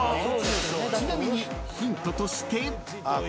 ［ちなみにヒントとして］